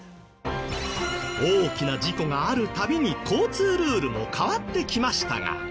大きな事故があるたびに交通ルールも変わってきましたが。